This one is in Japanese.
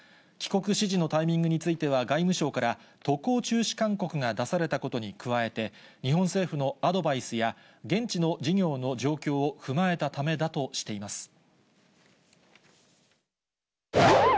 帰国指示のタイミングについては、外務省から、渡航中止勧告が出されたことに加えて、日本政府のアドバイスや、現地の事業の状況を踏まえたためだとしています。